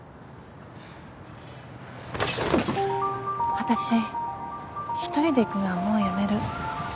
私一人で逝くのはもうやめる。